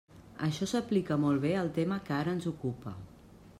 Això s'aplica molt bé al tema que ara ens ocupa.